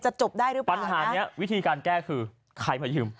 จบได้หรือเปล่าปัญหานี้วิธีการแก้คือใครมายืม